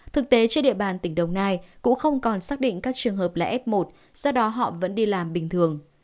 thực tế trên địa bàn tỉnh đồng nai cũng không còn xác định các trường hợp là f một do đó họ vẫn đi làm bình thường